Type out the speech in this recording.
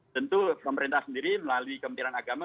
tentu pemerintah sendiri melalui kementerian agama